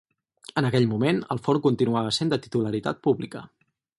En aquell moment el forn continuava sent de titularitat pública.